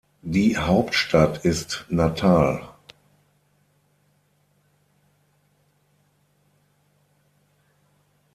Die Hauptstadt ist Natal.